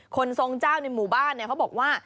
ทรงเจ้าในหมู่บ้านเขาบอกว่า